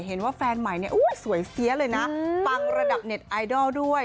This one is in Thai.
เห็นว่าแฟนใหม่เนี่ยสวยเฟี้ยเลยนะปังระดับเน็ตไอดอลด้วย